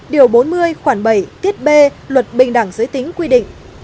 điều bốn mươi khoảng bảy tiết b luật bình đẳng giới tính quy định